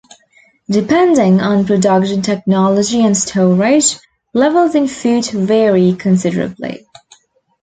Depending on production-technology and storage, levels in food vary considerably.